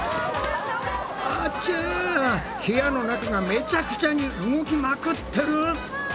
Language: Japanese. あちゃ部屋の中がめちゃくちゃに動きまくってる！